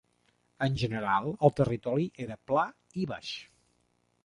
En general el territori era pla i baix.